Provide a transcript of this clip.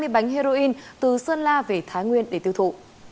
hai mươi bánh heroin từ sơn la về thái nguyên để tiêu thụ